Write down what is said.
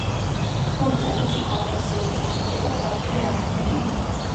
თუმცა, მისი კომერციულ წარმატებას ადგილი არ ჰქონია.